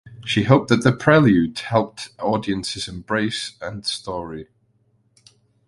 She hoped that the prelude helped audiences embrace and story.